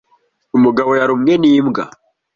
Umugabo yarumwe n'imbwa.